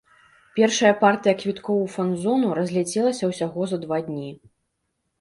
Першая партыя квіткоў у фан-зону разляцелася ўсяго за два дні.